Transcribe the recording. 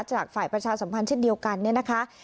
จากฝ่ายประชาสัมพันธ์เช่นเดียวกันเนี่ยนะคะ